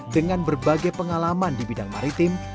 dengan berbagai pengalaman di bidang maritim